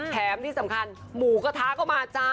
แถมที่สำคัญหมูกระทะก็มาจ้า